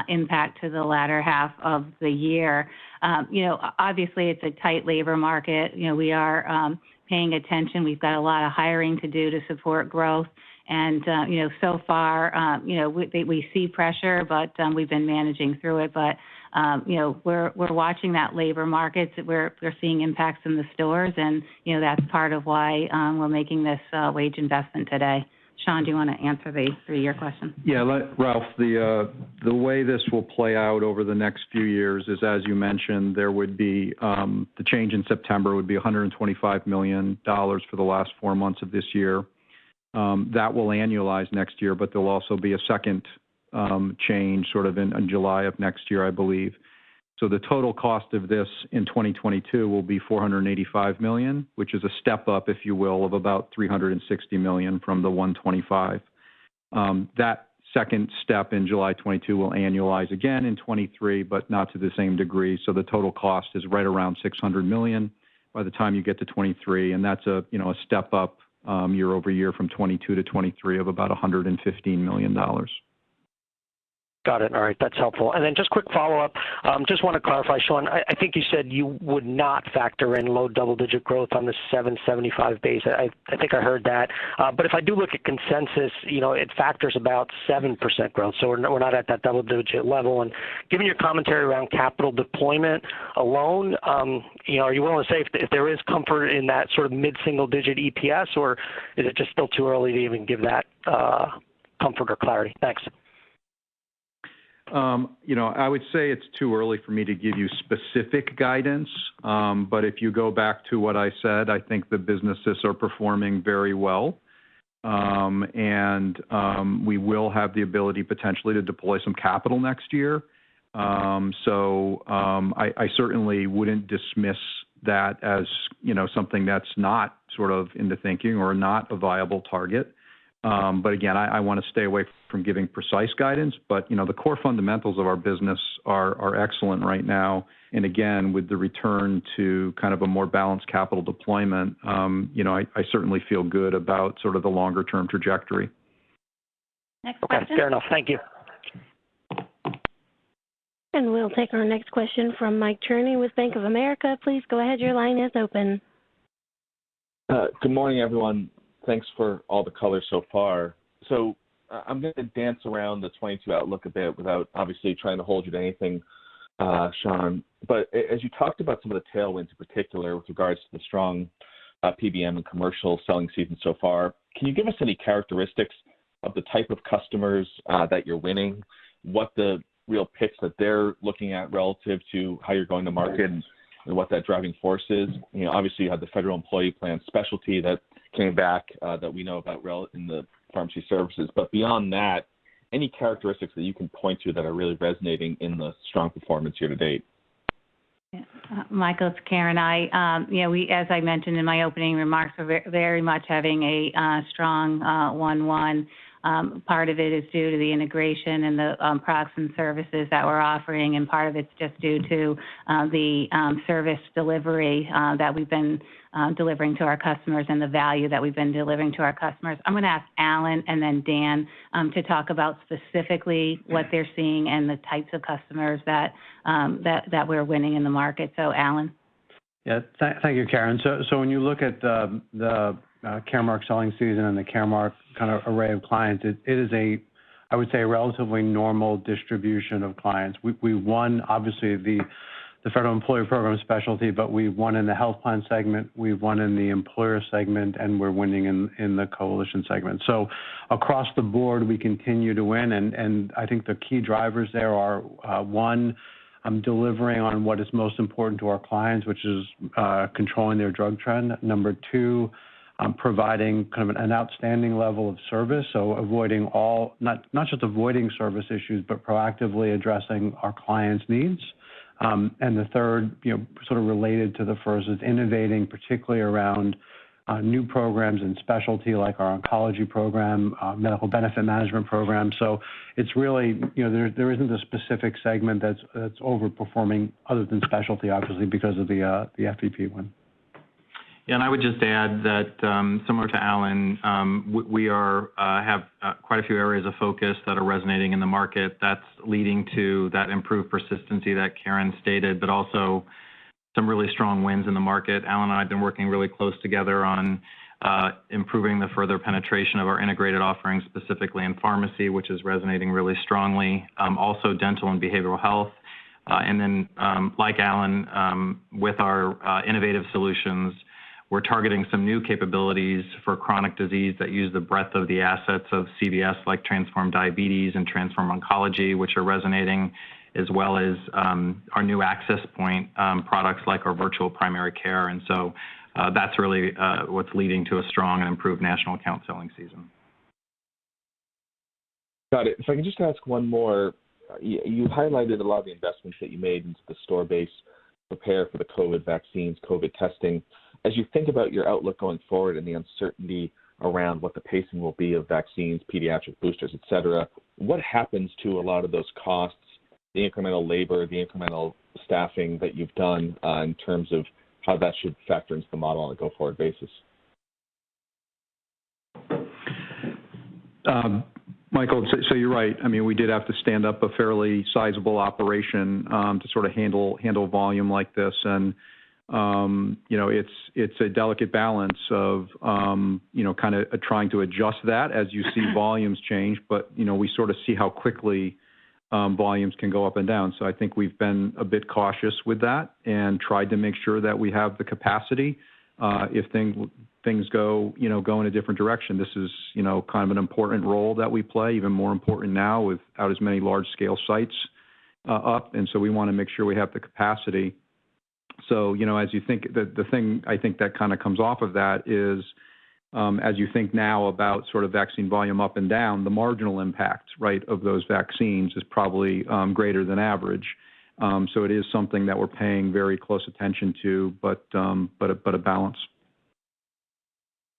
impact to the latter half of the year. Obviously, it's a tight labor market. We are paying attention. We've got a lot of hiring to do to support growth. So far, we see pressure, but we've been managing through it. We're watching that labor market. We're seeing impacts in the stores, and that's part of why we're making this wage investment today. Shawn, do you want to answer the three-year question? Yeah. Ralph, the way this will play out over the next few years is, as you mentioned, the change in September would be $125 million for the last four months of this year. That will annualize next year, there'll also be a second change sort of in July of next year, I believe. The total cost of this in 2022 will be $485 million, which is a step up, if you will, of about $360 million from the $125 million. That second step in July 2022 will annualize again in 2023, not to the same degree. The total cost is right around $600 million by the time you get to 2023, that's a step up year-over-year from 2022-2023 of about $115 million. Got it. All right. That's helpful. Then just quick follow-up. Just want to clarify, Shawn, I think you said you would not factor in low double-digit growth on the 7.75 base. I think I heard that. If I do look at consensus, it factors about 7% growth, so we're not at that double-digit level. Given your commentary around capital deployment alone, are you willing to say if there is comfort in that sort of mid-single digit EPS, or is it just still too early to even give that comfort or clarity? Thanks. I would say it's too early for me to give you specific guidance. If you go back to what I said, I think the businesses are performing very well. We will have the ability potentially to deploy some capital next year. I certainly wouldn't dismiss that as something that's not in the thinking or not a viable target. Again, I want to stay away from giving precise guidance. The core fundamentals of our business are excellent right now, and again, with the return to a more balanced capital deployment, I certainly feel good about the longer-term trajectory. Next question. Okay, fair enough. Thank you. We'll take our next question from Mike Cherny with Bank of America. Please go ahead, your line is open. Good morning, everyone. Thanks for all the color so far. I'm going to dance around the 2022 outlook a bit without obviously trying to hold you to anything, Shawn. As you talked about some of the tailwinds, in particular, with regards to the strong PBM and commercial selling season so far, can you give us any characteristics of the type of customers that you're winning, what the real pitch that they're looking at relative to how you're going to market, and what that driving force is? Obviously, you have the Federal Employee Program specialty that came back that we know about in the pharmacy services. Beyond that, any characteristics that you can point to that are really resonating in the strong performance year-to-date? Michael, it's Karen. As I mentioned in my opening remarks, we're very much having a strong one-one. Part of it is due to the integration and the products and services that we're offering, and part of it's just due to the service delivery that we've been delivering to our customers and the value that we've been delivering to our customers. I'm going to ask Alan and then Dan to talk about specifically what they're seeing and the types of customers that we're winning in the market. Alan? Thank you, Karen. When you look at the Caremark selling season and the Caremark array of clients, it is a, I would say, relatively normal distribution of clients. We won, obviously, the Federal Employee Program specialty, but we won in the health plan segment, we won in the employer segment, and we're winning in the coalition segment. Across the board, we continue to win, and I think the key drivers there are, one, delivering on what is most important to our clients, which is controlling their drug trend. Number two, providing kind of an outstanding level of service. Not just avoiding service issues but proactively addressing our clients' needs. The third, sort of related to the first, is innovating, particularly around new programs and specialty, like our oncology program, medical benefit management program. There isn't a specific segment that's over-performing, other than specialty, obviously, because of the FEP win. I would just add that, similar to Alan, we have quite a few areas of focus that are resonating in the market that's leading to that improved persistency that Karen stated, but also some really strong wins in the market. Alan and I have been working really close together on improving the further penetration of our integrated offerings, specifically in pharmacy, which is resonating really strongly. Also, dental and behavioral health. Like Alan, with our innovative solutions, we're targeting some new capabilities for chronic disease that use the breadth of the assets of CVS, like Transform Diabetes and Transform Oncology, which are resonating, as well as our new access point products like our Virtual Primary Care. That's really what's leading to a strong and improved national account selling season. Got it. If I can just ask one more. You highlighted a lot of the investments that you made into the store base, prepare for the COVID vaccines, COVID testing. As you think about your outlook going forward and the uncertainty around what the pacing will be of vaccines, pediatric boosters, et cetera, what happens to a lot of those costs, the incremental labor, the incremental staffing that you've done in terms of how that should factor into the model on a go-forward basis? Michael, you're right. We did have to stand up a fairly sizable operation to handle volume like this. It's a delicate balance of trying to adjust that as you see volumes change, but we sort of see how quickly volumes can go up and down. I think we've been a bit cautious with that and tried to make sure that we have the capacity if things go in a different direction. This is kind of an important role that we play, even more important now without as many large-scale sites up, and so we want to make sure we have the capacity. The thing I think that kind of comes off of that is, as you think now about vaccine volume up and down, the marginal impact of those vaccines is probably greater than average. It is something that we're paying very close attention to, but a balance.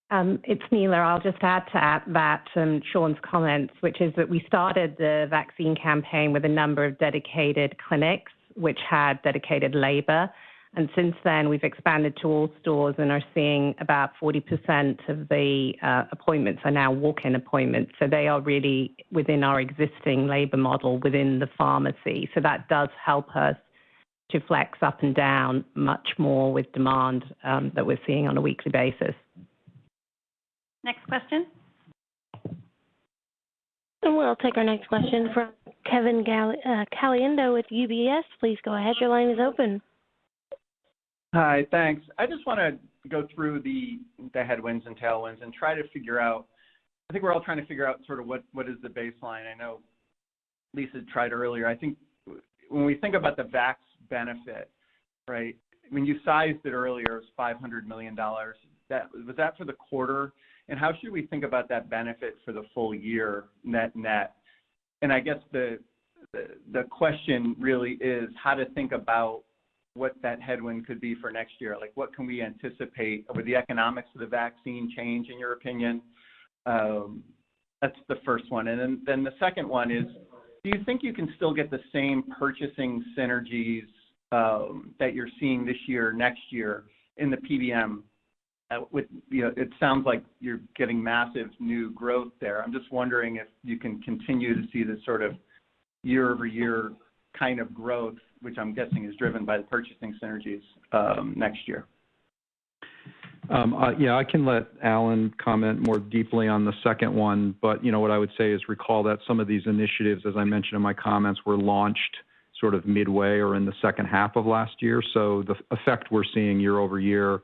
It's Neela. I'll just add to that and Shawn's comments, which is that we started the vaccine campaign with a number of dedicated clinics, which had dedicated labor. Since then, we've expanded to all stores and are seeing about 40% of the appointments are now walk-in appointments. They are really within our existing labor model within the pharmacy. That does help us to flex up and down much more with demand that we're seeing on a weekly basis. Next question. We'll take our next question from Kevin Caliendo with UBS. Please go ahead, your line is open. Hi, thanks. I just want to go through the headwinds and tailwinds. I think we're all trying to figure out sort of what is the baseline. I know Lisa tried earlier. When we think about the vax benefit, when you sized it earlier as $500 million, was that for the quarter? How should we think about that benefit for the full year net net? I guess the question really is how to think about what that headwind could be for next year. What can we anticipate? Will the economics of the vaccine change, in your opinion? That's the first one. The second one is, do you think you can still get the same purchasing synergies that you're seeing this year, next year in the PBM? It sounds like you're getting massive new growth there. I'm just wondering if you can continue to see this sort of year-over-year kind of growth, which I'm guessing is driven by the purchasing synergies, next year. Yeah, I can let Alan comment more deeply on the second one. What I would say is recall that some of these initiatives, as I mentioned in my comments, were launched sort of midway or in the second half of last year. The effect we're seeing year-over-year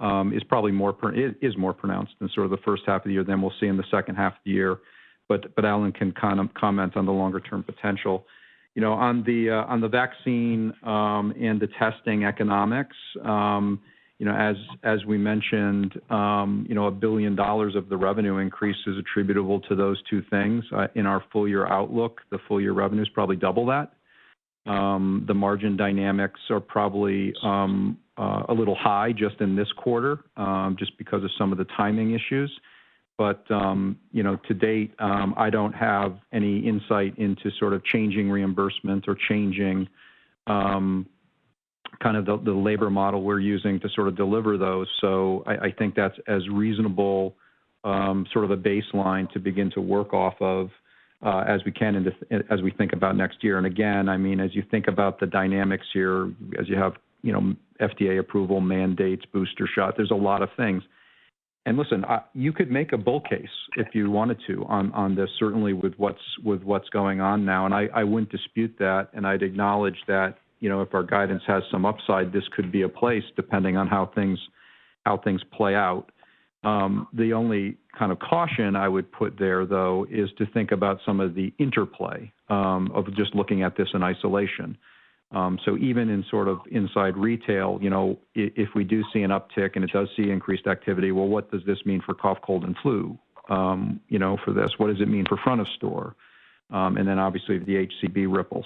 is more pronounced than sort of the first half of the year than we'll see in the second half of the year. Alan can comment on the longer-term potential. On the vaccine and the testing economics, as we mentioned, $1 billion of the revenue increase is attributable to those two things. In our full-year outlook, the full-year revenue is probably double that. The margin dynamics are probably a little high just in this quarter, just because of some of the timing issues. To date, I don't have any insight into sort of changing reimbursements or changing the labor model we're using to deliver those. I think that's as reasonable baseline to begin to work off of as we can and as we think about next year. Again, as you think about the dynamics here, as you have FDA approval, mandates, booster shot, there's a lot of things. Listen, you could make a bull case if you wanted to on this, certainly with what's going on now, and I wouldn't dispute that, and I'd acknowledge that if our guidance has some upside, this could be a place, depending on how things play out. The only kind of caution I would put there, though, is to think about some of the interplay of just looking at this in isolation. Even in sort of inside retail, if we do see an uptick and it does see increased activity, well, what does this mean for cough, cold, and flu for this? What does it mean for front of store? Obviously, the HCB ripple.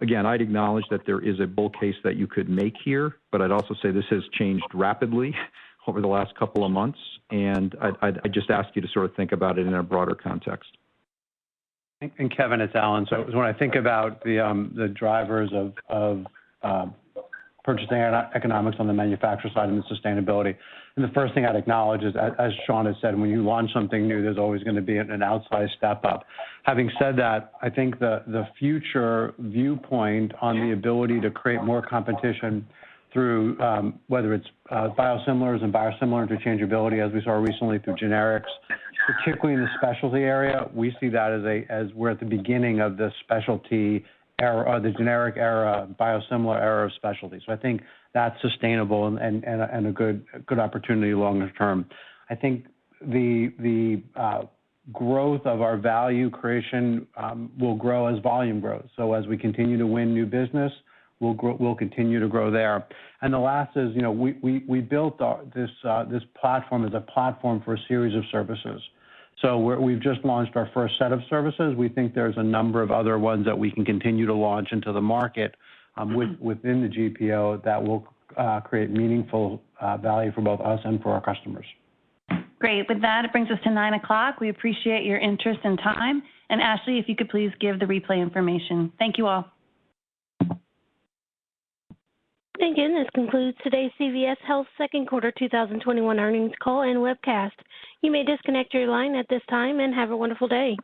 Again, I'd acknowledge that there is a bull case that you could make here, but I'd also say this has changed rapidly over the last couple of months, and I'd just ask you to sort of think about it in a broader context. Kevin, it's Alan. When I think about the drivers of purchasing economics on the manufacturer side and the sustainability, the first thing I'd acknowledge is, as Shawn has said, when you launch something new, there's always going to be an outsized step-up. Having said that, I think the future viewpoint on the ability to create more competition through, whether it's biosimilars and biosimilar interchangeability, as we saw recently through generics, particularly in the specialty area, we see that as we're at the beginning of the specialty era or the generic era, biosimilar era of specialties. I think that's sustainable and a good opportunity longer term. I think the growth of our value creation will grow as volume grows. As we continue to win new business, we'll continue to grow there. The last is, we built this platform as a platform for a series of services. We've just launched our first set of services. We think there's a number of other ones that we can continue to launch into the market within the GPO that will create meaningful value for both us and for our customers. Great. With that, it brings us to nine o'clock. We appreciate your interest and time. Ashley, if you could please give the replay information. Thank you all. Thank you. This concludes today's CVS Health second quarter 2021 earnings call and webcast. You may disconnect your line at this time, and have a wonderful day.